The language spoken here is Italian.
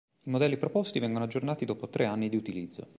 I modelli proposti vengono aggiornati dopo tre anni di utilizzo.